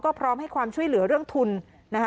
พร้อมให้ความช่วยเหลือเรื่องทุนนะคะ